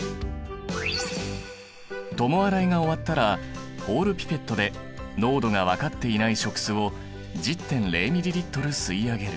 共洗いが終わったらホールピペットで濃度がわかっていない食酢を１０．０ｍＬ吸い上げる。